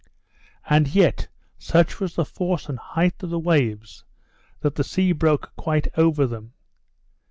And yet, such was the force and height of the waves, that the sea broke quite over them.